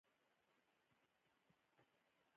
ټکی ورو، ورو غټېده.